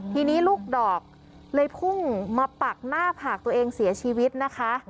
ทีนี้ลูกดอกเลยพุ่งมาปักหน้าผากตัวเองเสียชีวิตนะคะ